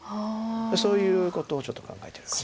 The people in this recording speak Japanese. そういうことをちょっと考えてるかも。